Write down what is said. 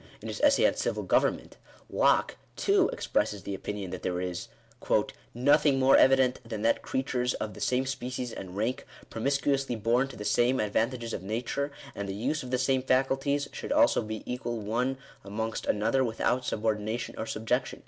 In his essay on Civil Government, Locke, too, expresses the opinion that there is " nothing more evident than that creatures of the same species and rank, promiscuously born to the same advantages of nature, and the use of the same faculties, should also be equal one amongst another without subordination or subjection."